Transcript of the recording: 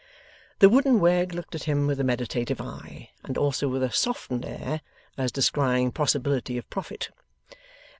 The wooden Wegg looked at him with a meditative eye, and also with a softened air as descrying possibility of profit.